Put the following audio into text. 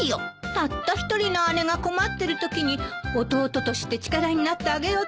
たった一人の姉が困ってるときに弟として力になってあげようと思わないの？